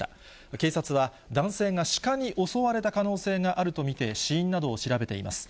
警察は男性が鹿に襲われた可能性があると見て、死因などを調べています。